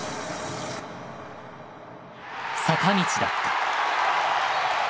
坂道だった。